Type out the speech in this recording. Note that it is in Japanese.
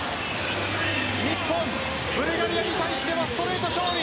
日本、ブルガリアに対してもストレート勝利。